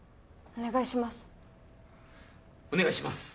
お願いします！